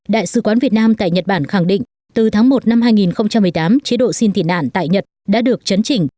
đại sứ quán việt nam tại nhật bản khẳng định từ tháng một năm hai nghìn một mươi tám chế độ xin tị nạn tại nhật đã được chấn chỉnh